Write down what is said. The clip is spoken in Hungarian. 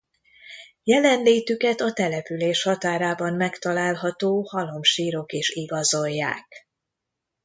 Jelenlétüket a település határában megtalálható halomsírok is igazolják.